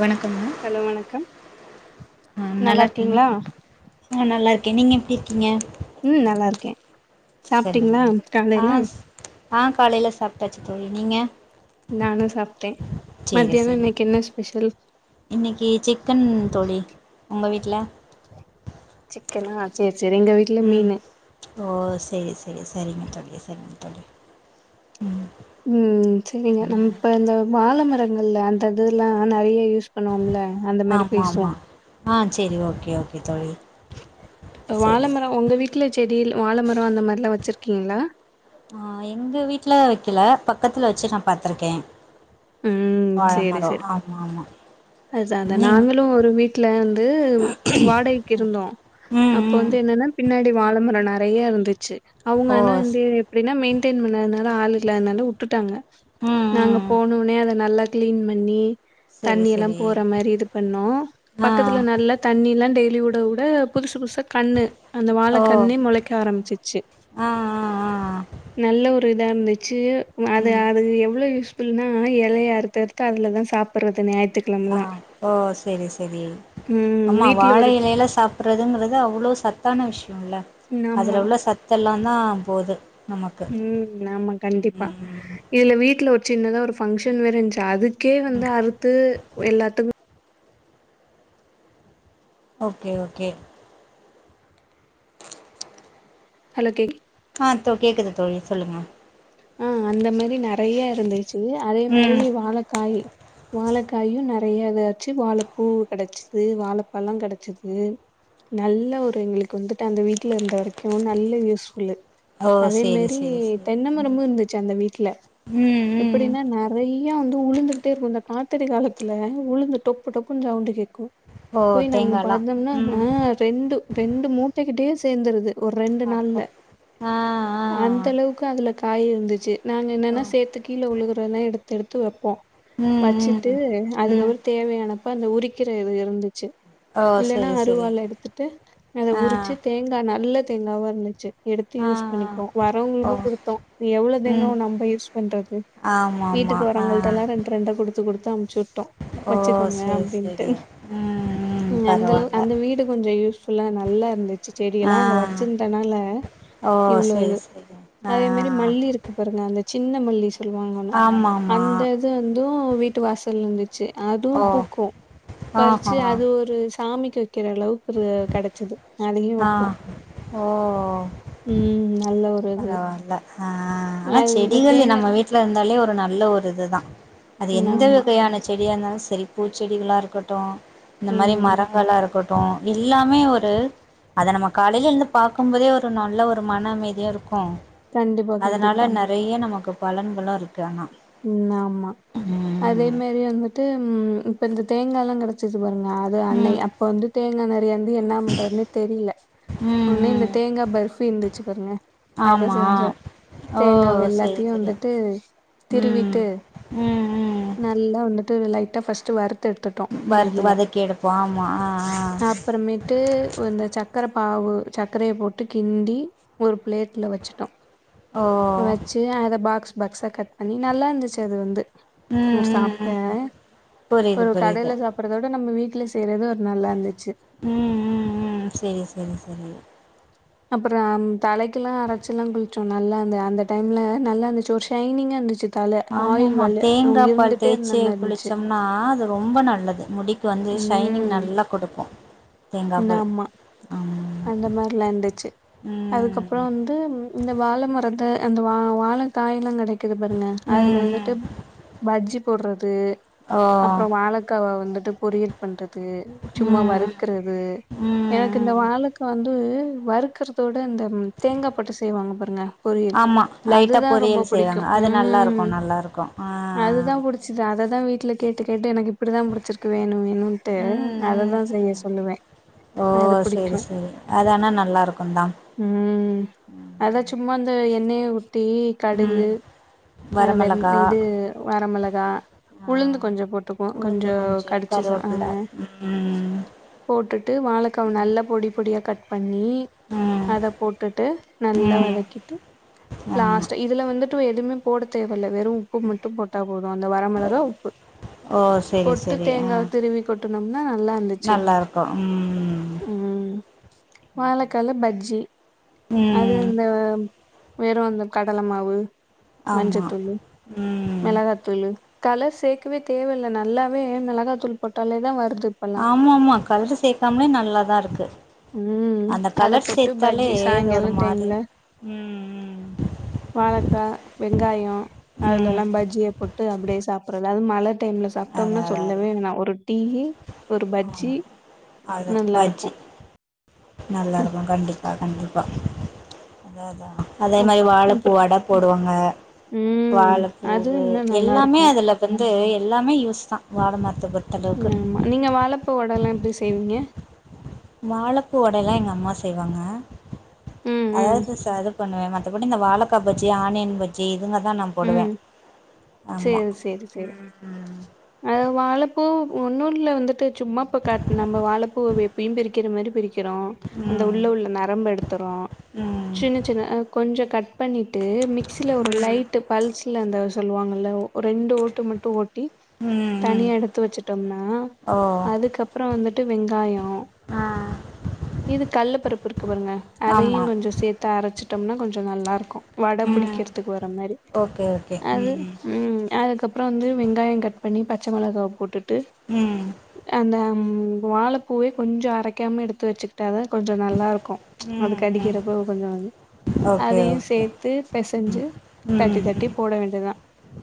வணக்கம்ங்க ஹலோ வணக்கம் நல்லா இருக்கீங்களா நல்லாருக்கீங்கலா ஆம் நல்லாருக் நீங்க எப்டிருக்கீங்க ம் நல்லாருக்கே சொல்லுங்க சாப்ட்டீங்ளா ஆ காலையில ஆ காலையில சாப்ட்டாச்சு தோழி நீங்க நானு சாப்ட்டே சேரி மத்தியானோ செரி இன்னைக்கு என்ன ஸ்பெஷல் இன்னைக்கு சிக்கன் தோழி உங்க வீட்ல சிக்கனா சேரி சேரி எங்க வீட்ல ம் மீனு ஓ செரி செரி செரிங்க சரிங்க தோழி ம் ம் ம் செரிங்க நம்ம இப்ப இந்த வாழ மர கல்ல அந்த இதுல்லா நெறய யூஸ் பண்ணுவோம்ல அந்த மாரி ஆமா பேசுவோ மா ஆ சேரி ஓகே ஓகே தோழி இப்ப சேரி வாழமரோ சேரி உங்க வீட்ல செடில்ல வாழமரோ அந்த மாரில்லா வச்சிருக்கீங்களா ஆ எங்க வீட்ல வக்கல பக்கத்துல வச்சு நான் பாத்துருக்கே ம் செரி செரி ஆமா அதாதா நீங் நாங்களு ஒரு வீட்டுல வந்து வாடைகக்கு இருந்தோ ம் அப்போ ம் வந்து என்னன்னா பின்னாடி வா வாழ மரம் நெறைய இருந்து ச்சு ஓ அவங்கனா ஸ் வந்து எப்படின்னா மெயின் ன் பண்ணாததுனால ஆள் இல்லாதனால வுட்டுட்டாங்க ம் நாங்க ம் அத நல்ல கிளீன் பண்ணி செரி தண்ணில்லா செரி போற மாரி இது பண்ணோ ஆ பக்கத்துல நல்லா தண்ணி எல்லா டே விட விட புதுசு புதுசா கண்ணு அந்த வாழ ஓ கண்ணே முளைக்க ஆரம்பிச்சிச்சு ஆ ஆ ஆ நல்ல ஒரு இதாருந்துச்சு அது ம் அது எவ்ளோ யூஸ் ஃபுல்னா இல்லயா அறுத்து அறுத்த அதுலதா சாப்படறது ஞாயு ஆ ஓ செரி செரி ம் ஆமா வீட்ல வாழ ஒரு இழைல சாப்பிடுறதுங்கறது அவ்ளோ சத்தான விஷயோ இல்ல ஆமா அதுல உள்ள சத்தல்லா தா போது நமக்கு ம் ஆமா கண்டிப்பா இதுல வீட்டுல ஒரு சின்னதா ஒரு பங்க்ஷன் வேறருந்துச்சு அது க்கே வந்து அறுத்து எல்லாத்துக்கு ஓகே ஓகே ஹலோ கேக் ஆ கேக்குது தோழி சொல்லுங்க ஆ அந்த மாரி நெறைய இருந் ச்சு அதே மாரி ம் வாழக்காய் வாழக் காய் யூம் நெறைய எதாச்சு வாழப்பூ கெடச்சிது வாழப்பழம் கெடச்சிது நல்ல ஒரு எங்களுக்கு வந்துட்டு அந்த வீட்டில் இருந்த வரைக்கும் நல்ல யூஸ் புல்லு ஓ அதே செரி மாரி செரி செரி தென்னம்ம ரொ இருந்துச்சு அந்த வீட்டுல ம் ம் எப்படின்னா நெறைய வந்து உழுந்துகிட்டே இருக்கு அ ஆத்தடி காலத்துல உளுந்து டொப்பு டொப்பு சவுண்டு கேக் கு ஓ போய் நாங்க தேங்காலா பாத்தோம்னா ஆ ம் ரெண்டு ரெண்டு மூட்டைக்கிட்டையே சேர்ந்துருது ஒரு ரெண்டு அப்பா நாள்ல ஆ ஆ அந்த அளவுக்கு அதுல காய் இருந்துச்சு நாங்க என்னன்னா ஓ சேர்த்து கீழ உழுகுறதல்லா எடுத் எடுத்து வெப்போ ம் வச்சிட்டு ம் ம் அதுக்கபறோ தேவயானப்ப அந்த உரி க்கிற இது இருந்துச்சி ஓ இல்லன்னா செரி செரி அருவாள எடுத்துட்டு அத ஆ உரிச்சு தேங்கா நல்ல தேங்காவா இருந்துச்சி எடுத்து ஆ யூஸ் பண்ணிக்குவோ ஓ வரவங்களுக்கோ குடுத்தோ எவ்ள ம் தேங்காவ நம்ப யூஸ் பண்றது ஆமா ஆமா வீட்டுக்கு ஆ வரவங்கட்டெல்லா ரெண்டு ரெண்ட குடுத்து குடுத்தம் சுட்டம் ஓ வச்சுக்கோங்க சேரி அப்டின்ட்டு சேரி ம் ம் அந்தளவு பரவால்ல அந்த வீடு கொஞ்ச யூஸ்ஃபுல்லா நல்லாருந்துச்சு ஆ செடியெல்லாம் அவங்க வச்சிருந்தனால ஓ சேரி இவ்ளவ்யிது சேரி ஆ அதேமாரி மல்லிருக்கு பாருங்க அந்த சின்ன மல்லி சொல்வாங்கஒன்னு ஆமா ஆமா அந்தது வந்தும் வீட்டு வாசல்லருந்தி அதுவு ஓ பூக்கு பறிச்சு ஆஹா அது ஒரு சாமிக்கு வைக்கிறளவுக்குரு கெடச்சிது அதயும் ஆ வைப்போ ஓ ம் நல்ல ஒரு இது பரவால்ல ஆ ஆனா அது இந்த செடிகள் தேங்க நம்ம வீட்டுலருந்தாலே ஒரு ஒரு நல்ல ஒரு இதுதா அது ம் எந்த ஆமா வகையான செடியாருந்தாலு ச சரி பூச்செடிகளாருக்கட்டு இந்த மாரி ம் மரங்களாறுக்கட் ட்டு எல்லாமே ஒரு அத நம காலையெலுந்து பாக்கும்போதே ஒரு நல்ல ஒரு மன அமைதியாருக்கு ம் கண்டிப்பா கண்டிப்பா அதனால நெறய நமக்கு பலன்களாருக்கு ம் ஆமா அதே ம் மாரி வந்துட் ட்டு இப்பயிந்த தேங்கால்லா கெடைச்சிச்சி பாருங்க அது அன்னை ம் அப்ப வந்து தேங்கநர் யந்து யென்ன பண்றதுன்னே தெரில ம் உனே இந்த ம் தேங்கா பர்ஃபியிருந்துச்சுபாருங்க அத ஆமா செஞ்சோ ஓ செரி தேங்காவெல்லாத்தயு செரி வந்துட்டு ம் திருவிட்டு ம் ம் நல்லா வந்துட்டு லைட் அ பாஸ்ட் வறுத்து எடுத்துட்டோ வறுத்து நெய்யில வதக்கி எடுப்போ ஆமா ஆ ஆ அப்புறமேட்டு சக்கர பாவு சர்கரையை போட்டு கிண்டி ஒரு பிளேட்டல வச்சுட்டோம் ஓ வச்சு அத பாக்ஸ் பகஸ கத்த [unintelligible] அண்ணி நல்லா இருந்துச்சு அது வந்து ம் உ ம் சாப்ட்டே ம் புரியுது ஒரு புரியுது கடைல சாப்படுறத விட நம்ம வீட்டு வீட்ல செய்யறது ஒரு நல்லா இருந்துச்சு ம் ம் ம் சரி சரி சரி அப்புறம் தலைக்கெல்லா அரைச்சுல்லா குளிச்சோ நல்லா இருந்து அந்த டைம்ல நல்லா இருந்துச்சு ஒரு ஷைனிங்கா இருந்துச்சு தல ஆமா ஆயில் ஆமா வலு தேங்காய் பால் இருந்துட்டே இருந்த தேய்ச்சு மாரி இருந்துச்சு குளிச்சோம்னா அது ரொம்ப நல்லது முடி க்கு வந்து ஷைனிங் ம் நல்லா கொடுக்கு ஆமா அந்த மாரிலாம் இருந்துச்சு ம் அதுக்கப்புறம் வந்து இந்த வாழ மரத்தை அந்த வா வாழக்காய் எல்லாம் கடைக் கிது பாருங்க அதுல ம் வந்துட்டு ம் பஜ்ஜி போடுறது ஓ அப்புறம் வாலக்காவா வந்துட்டு பொறியல் பண்ற து சும்மா ம் ம் வருக் ருக்கிறது ம் எனக்கு இந்த ம் வாழக்கா வந்து வருக்கறதோட இந்த தேங்கா போட்டு செய்வாங்க பாத் ல ஆமா லைட்டா பொரியல் செய்வாங்க அது நல்லா ம் இருக்கும் நல்லா இருக்கும் ஆ ஆ தான் வீட்ல கேட்டு கேட்டு எனக்கு இப்படிதான் புடிச்சிருக்கு வேன் வேனு வேனும்டு ம் ம் அததான் செய்ய ம் ஓ அது புடிக்கு சரி சரி அதனா நல்லா இருக்கும் தான் ம் அதா ம் சும்மா இந்த எண்ணெய ஊத்தி கடுகு அ வெந வரமிளகா இது வரமிளகா ஆ உளுந்து கொஞ்சம் போட்டுக்கும் உளுந்து கொஞ்சம் கொஞ்சு கடிச்சு அ கருவேப்பில ம் போட்டுட்டு வாழைக்கா ம் நல்ல பொடி பொடியா கட் பண்ணி அத போட்டுட்டு நல்லா ம் வதக்கிட்டு ஆமா லாஸ்ட் இதுல வந்து டு எதுவுமே போட தேவ வெறு உப்பு மட்டு போட்டா போது அந்த வரமிளகா உப்பு ஓ சேரி போட்டு சேரி ஆ தேங்கா திருவி கொட்டுனோம்னா நல்லா இருந்துச்சு நல்லாருக்கு ம் உம் வாழக்கால பஜ் ஜி அது ம் இந்த வெறு அந்த கடல மாவு ஆமா மஞ்சத்தூள்ளு ம் மிளகாத்தூள்ளு கலர் சேர்க்கவே தேவயில்ல நல்லாவே மிளகா தூள் போட்டாலே தா வரு ஆமா ஆமா உம் அந்த அத கலர் போட்டு சேத்தாலே பஜ்ஜி இது ஒரு சாயங்கால மாரி டைம்ல ம் வாழக்கா வெங்காயோ ம் அதுல ம் எல்லா பஜ்ஜிய போட்டு அப்புடியே சாப்பிடுறது ஏதாவது மழ டைம்ல அதா சாப்பிட்டோம்னா அதா அதா சொல்லவேணா ஒரு டீயு ஒரு பஜ்ஜி அதா நல்லா இருக்கு பஜ்ஜி நல்லா இருக்கு கண்டிப்பா கண்டிப்பா அதா அதா அதே மாரி அப் வாழப்பூ அப்ற வட போடுவாங்க ம் அது வாழப்பூவு இன்னு நல்லா எல்லாமே இருக்கு அதுல வந்து எல்லாமே யூஸ் தா வாழ மரத்தப் ஆமா நீங்க வாழப்பூ வடலா எப் படி செய்வீங்க வாழப்பூ வட எல்லா எங்க அம்மா செய்வாங்க ம் ம் அதாவது சதப் பண்ணுவே மத்தபடி இந்த வாழக்கா பஜ்ஜி ஆனியன் பஜ்ஜி அதுங்க தா நா போடுவே ம் ஆமா சேரி சேரி உம் பூ ஒன்னு இல்ல வந்துட்டு சும்மாப் இப்ப காட் நம்ப வாழப்பூ வேப் பயு பிரிக்கிற மாரி பிரிக் கிறோ அந்த உள்ள உள்ள நரம்பு எடுத்துரோ ம் ம் சின்ன சின்ன கொஞ்சோ கட் பன்னிட் டு மிக்சில ஒரு ம் லைட்ட பல்ஸ்ல அந்த சொல்லுவாங்கல்ல ரெண்டு ஓட்டு மட்டு ஓட்டி ம் ம் தனிய எடுத்து வச்சுட்டோம்னா ஓ அதுக்கப்றோ வந்துட்டு வெங்காயோ ஆ இது கள்ள பருப்பு இருக்கு பாருங்க அதையு ஆமா கொஞ்சோ சேர்த்து அரச்சு விட்டோம்னா கொஞ்சோ நல்லாருக்கு வட ம் பிடிக்கிறதுக்கு வர மாரி ஓகே ஓகே அது ம் உம் அதுக்கப்புற வந்து வெங்காய கட் பண்ணி பச்ச மொளகாவ போட் டு ம் அந்த ம் வாழப்பூவே கொஞ்ச அரைக்காம எடுத்து வச்சுக் விட்டாதா கொஞ்ச நல்லா இருக்கு அதுக்கு ம் ம் கடிக்கிறப்ப கொஞ்ச ஓகே அதையு ஓகே சேத்து ம் பெசஞ்சு ம் தட்டி ம் தட்டி ம் போட வேண்டியதா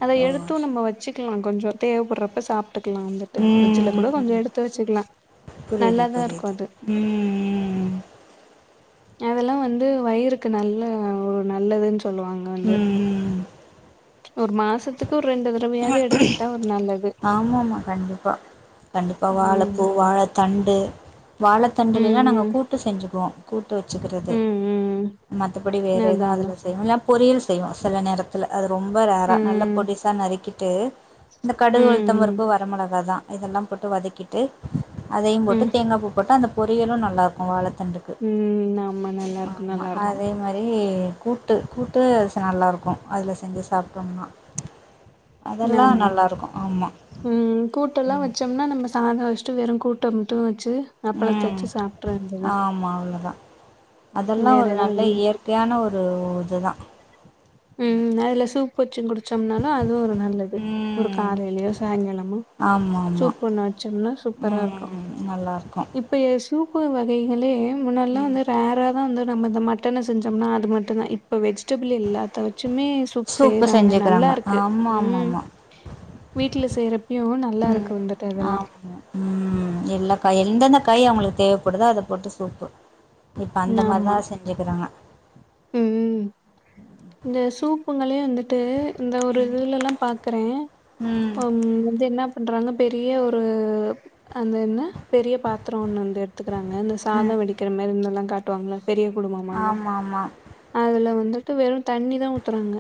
அத ஓ எடுத்து சரி நம்ம வச்சுட் கொஞ்ச தேவைப்படுறப்ப சாப்ப க்கலா வந்துட்டு ம் பிரட்ஜ்ல கூட ம் கொஞ்ச ம் எடுத்து வச்சுக்கலா புரியுது நல்லாதா இருக்கு புரியுது அது ம் ம் ம் அதெல்லா வந்து வயிறுக்கு நல்ல ஒரு நல்லதுன்னு சொ லுவாங்க வந்து உம் ஒரு மாசத்துக்கு ரெண்டு தடவையாவது எடுத்துக்கிட்டா ஒரு நல்லது ஆமாம கண்டிப்பா கண்டிப்பா ம் வாழப்பூ வாழதண்டு வாழத்தண்டுலைல ம் நாங்க ம் கூட்டு செஞ்சுக்குவோ ட்டு வச்சுக்கிறது ம் மத்தபடி ம் வேறு எதுவு அதா அதா அதுல செஞ்சப் பொறியல் செய்வோ சில நேரதுல அது ரொம்ப ரர் நல்ல ம் பொடிஸ்சா நறுக்கிட் ட்டு ம் கடுகு ம் உளுத்தம்பருப்பு வர மிளகா தா இதெல்லா போட்டு வதக்கிட்டு அதையு ம் போட்டு தேங்கா பூ போட்டு அந்த பொரியலு நல்லாருக்கு வாழத் தண்டுக்கு ம் ஆமா நல்லா இருக்கு ஆமா நல்லா இருக்கு அதே மாரி கூட்டு கூட்டு நல்லா இருக்கு அதுல செஞ்சு சாப்டோம்னா அதெல்லா நல்லா இருக்கு ஆமா உம் கூட்டல்லா வச்சோம்னா நம்ம சாப் அத வச்சட்டு வெறு கூட்ட மட்டு வச்சு அப்பளத்த உம் வச்சு சாப்ட்ற வேண்டியதா ஆமா அவ்ளோதா அதெல்லா வேற ஒரு எதுவு நல்ல இது பண் இயற்கையான ஒரு இதுதா உம் அதுல சூப்பு வச்சு குடி வச்சோம்னாலு அதுவு ஒரு நல்லது ஒரு ம் காலையிலயோ சாயங்காலமோ ஆமா ஆமா சூப்பு ஒண்ணு வச்சோம்னா சூப்பரா இருக்கு ம் நல்லா இருக்கு இப்ப சூப்பு வகைகளே முன்னெல்லா ம் வந்து ரேரா த வந்து நம்ம இந்த மட்டன செஞ்சோம்னா அது மட்டும் த இப்ப வெஜ்டபுள் எல்லா ச்சுமே சூப் சூப்பு செய்யறாங்க நல்லா செஞ்சுக்கிறாங்க இருக்கு ஆமா ஆமா உம் ஆமா வீட்டுல செய்யற ஐயோ நல்லா இருக்கு ம் வந்துட்டு இதெல்லா ஆமா ம் எல்லா காய் எந்தெந்த காய் அவங்களுக்கு தேவப்படுதோ அத போட்டு சூப்பு இப்ப அந்த மாதிரித செஞ்சுக்கறாங்க உம் இந்த சூப்புங்களே வந்துட்டு இந்த ஒரு இதுல எல்லா பாக்குறே ம் வந்து என்ன பண்றாங்க பெரிய ஒரு அந்த என்ன பெரிய பாத்திர ஒண்ணு வந்து எடுத்துக்கிறாங்க இந்த ம் சாதம் வெடிக்கிற மாதிரி இந் தெல்லா காட்டுவாங்கள பெரிய குடும்பமால்ல ஆமா ஆமா அதுல வந்துட்டு வெறும் தண்ணித ஊத்துறாங்க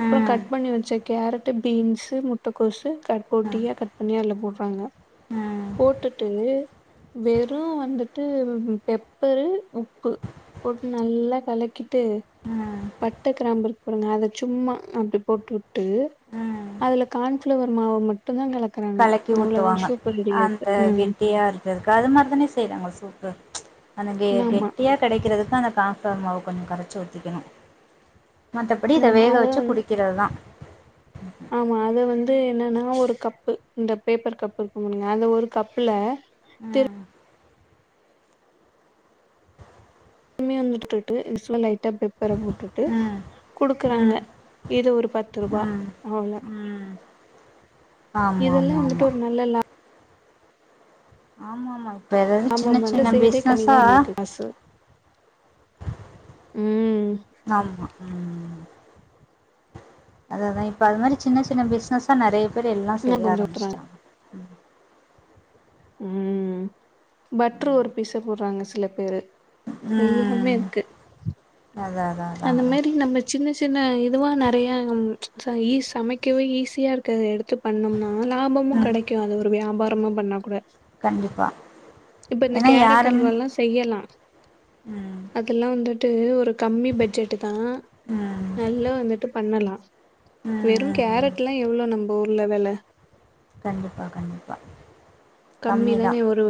அப்புறம் ம் கட் பண்ணி வச்ச கேரட் பீன்ஸ் முட்டக்கோஸ் கட் ம் போடியா கட் பண்ணி அதுல போடு பங்க ம் போட்டுட்டு வெறும் வந்துட்டு பெப்பரு உப்பு போட்டு நல்லா கலக்கி ட்டு ம் பட்ட கிரம்பு ஒரு நாலு சும்மா அப்படி போட்டு ட்டு ம் அதுல கான்பெளவர் மாவு மட் கலக்கி ஊத்துவாங்க ரெடி ஆயிருக்கு அந்த ம் கெட்டியா இருந்ததுக்கு அது மாரி தானே செய்யறாங்க சூப் அந்த ஆமா கெட்டியா கிடைக்கிறது அதா அந்த கான்பெளவர் மாவு கொஞ்ச கரைச்சி ஊத்திக்கணு மத்தபடி இத ஆமா வேக அத வச்சு வந்து குடிக்கிறதுதா ஆமா அத வந்து என்னன்னா ஒரு கப்பு இந்த பேப்பர் கப் இருக்கும்ல இல்லையா அத ஒரு கப்புல உம் கம்மி வந்துட்டுட்டு [unintelligible] பெப்பர போட்டுட்டு ம் குடுக்குறாங்க ம் இது ஒரு பத்து ரூபா ம் அவள ம் ஆமா இதெல்லா ஆமா வந்துட்டு ஆமா ஒரு நல்ல லா ஆமா ஆமா இப்ஏதாவது சின்ன லாபம் வந்து சின்ன செய்யறதே பிஸ்னஸ்ஸா கம்மிதா நம்மளுக்கு காசு ம் ஆமா உம் அததா இப்ப அது மாரி சின்ன சின்ன பிஸ்னஸ்ஸா நெறைய பேர் எல்லா இன்னு செய்ய கொஞ்சோ ஊத்துறாங்க ஆரம்பிச்சிட்டாங்க ம் ம் பட்ரு ஒரு பீஸு போடுறாங்க ச சில பேரு எல்லாமே ம் இருக்கு அதா அதா அதா அந்த மாரி நம்ம சின்ன சின்ன இதுவா நெறையா ச் ச ஈ சமைக்கவே ஈஸியா இருக்கத எடுத்துப் பண்ணம்னா லாபமு ம் கெடைக்கு அது ஒரு வியாபார பாரமா பண்ணா கூட கண்டிப்பா இப்ப இந்த ஏன்னா கேரட் யாருமே அல்வா எல்லா செய்யலா ம் அதெல்லா வந்துட் டு ஒரு கம் பட்ஜெட்டுதா ம் நல்லா வந்துட்டு பண்ணலா ம் வெறுங் ம் ம் கேரட் எல்லா எவ்வளோ நம்மக் ஊர்ல வேல கண்டிப்பா கண்டிப்பா கம்மி தானே ஒரு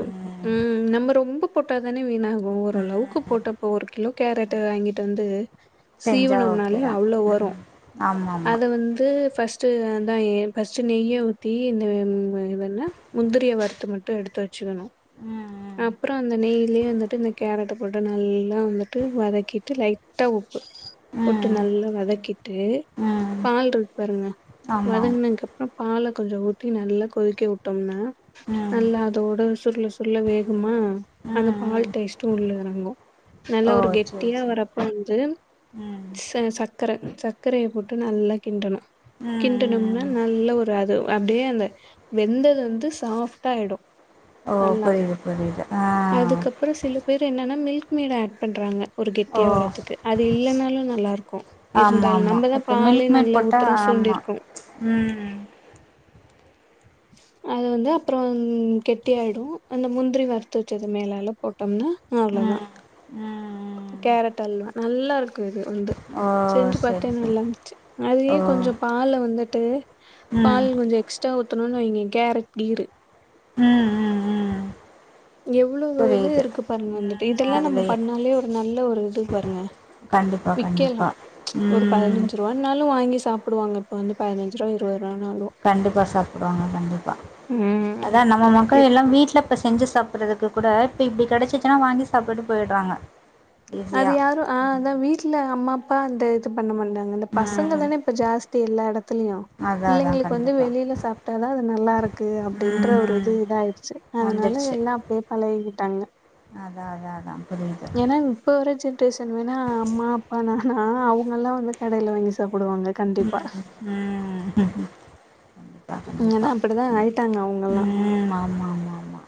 ம் நம்ம ரொம்ப போட்டா தானே வீணாகு ஓரளவுக்கு ம் போட்டா ப்போ ஒரு கிலோ கேரட்டு வாங்கிட்டு வந்து செஞ்சா ஓகே சீவனோம்னாலே தா அவ்ளோ வரு ம் ஆமா ஆமா அத வந்து ஃபஸ்ட் சு அந்தா ஏ ஃபஸ்டு நெய்ய ஊத்தி இந்த ம் இதென்ன முந்திரிய வறுத் அ மட்டும் எடுத்து சுகனு ம் அப்ற அந்த நெய்லேயே வந்துட்டு இந்த கேரட்ட போட்டு நல்லா வந்துட்டு வதக்கிட்டு லைட்டா உ உப்பு ம் போட்டு ம் நல்லா வதக்கிட்டு ம் பால்றிக் பாருங்க ஆமா வதங்னங்கப்பற பால கொஞ்ச ஊத்தி நல்லா கொதிக்க விட்டோம்னா ம் நல்லா அதோட சுருல சுருல வேகுமா ம் அந்த பால் டேஸ்ட்டு உள்ள இறங்கு நல்லா ஓ ஒரு சேரி கெட்டியா சேரி வரப்ப வந்து ம் ச சக்கரை சக்கரைய போட்டு நல்லா கிண்டணு ம் ம் கிண்டணும்னா ம் நல்ல ஒரு அது அப் டியே அந்த வெந்தது வந்து சாஃப் உத்தாயடு ஓ புரியுது புரியுது ஆ மீட ஆட் பண்றாங்க ஒரு ஓ கெட்டியா வர்றதுக்கு அது இல்லன்னாலு நல்லா இருக்கு ஆமா இருந்தாலு ஆமா நம்மதா இப்ப பாலே மில்க் மேட் நல்ல போட்டா உத்தரம் ஆமா சூண்டிருக்கும் ம் அது வந்து அப்புறம் கெட்டிாயிடு அந்த முந்திரி வறுத்து வச்சது மேலால போட்டோம்னா அவ்வளோதா ம் ம் ம் கேரட் அல் வா நல்லா இருக் கு வந்து ஓ செஞ்சு பத்தே செரி செரி நல்லா இருந்துச்சு அதே ஓ கொஞ்ச பால் வந்துட்டு ம் பால் கொஞ்ச எக்ஸ்ட்ரா சொன்னணு வைங்க கேரட் கீரு உம் உம் உம் எவ்வளவு இது இருக்கு பாருங்க வந்துட்டு ம் இதெல்லா நம்ம அதுலயே பண்ணாலே ஒரு நல்ல ஒரு இது பாருங்க கண்டிப்பா விக்கலா கண்டிப்பா. ஒரு ம். பதினஞ்சு ரூபானாலும் வாங்கி சாப்ப படுவங்க இப்ப வந்து பதினஞ்ச ரூபா இருபது ரூபானாலு கண்டிப்பா சாப்பிடுவாங்க கண்டிப்பா ம் அதா நம்ம மக்கள் இத்- எல்லாம் வீட்டுல இப்ப செஞ்சு சாப்பிறதுக்கு கூட இப்ப இப்படி கிடைச்சிச்சுன்னா வாங்கி சாப்பிட்டு போயிடுறாங்க அது ஈஸியா. யாரு ஆ அதா வீட்டுல அம்மா அப்பா அந்த பண்ண மாட்டாங்க இந்த பசங்க ம். தானே இப்ப ஜாஸ்தி எல்லா இடத்துலயு அதான் அதான் பிள்ளைங்களுக்கு வந்து கண்டிப்பா. வெளியில சாப்பிட்டாதா அது நல்லா இருக்கு அப்படின்ற ஒரு ம். இது இதாயிடுச்சு அதனால வந்துருச்சு. எல்லா அப்படியே பழகிக்கிட்டாங்க அதா அதா அதா அதா ஏன்னா இப்ப வர ஜென்ரேஷன் வேணா அம்மா அப்பா நா அவ நல்லா வந்து கடைல வாங்கி சாப் உம் உம் கண்டிப்பா கண்டிப்பா இங்கன்னா அப்படிதா உ ஆயிட்டாங்க அவங்கல்லா உம் ஆமா ஆமாமா